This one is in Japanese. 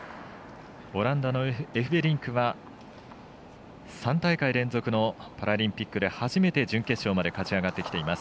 オランダのエフベリンクは３大会連続のパラリンピックで初めて準決勝まで勝ち上がってきています。